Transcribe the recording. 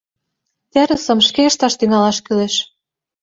Терысым шке ышташ тӱҥалаш кӱлеш.